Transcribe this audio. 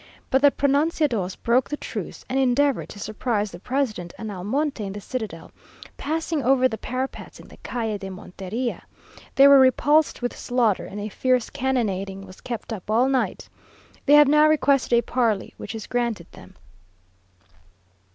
But the pronunciados broke the truce, and endeavoured to surprise the president and Almonte in the citadel, passing over the parapets in the Calle de Monterilla. They were repulsed with slaughter, and a fierce cannonading was kept up all night. They have now requested a parley, which is granted them.